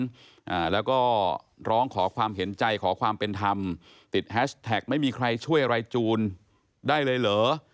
อ่าแล้วก็ร้องขอความเห็นใจขอความเป็นธรรมติดแฮชแท็กไม่มีใครช่วยอะไรจูนได้เลยเหรอ